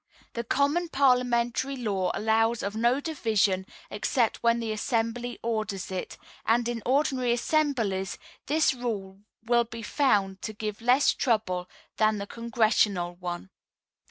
The common parliamentary law allows of no division except when the assembly orders it, and in ordinary assemblies this rule will be found to give less trouble than the Congressional one.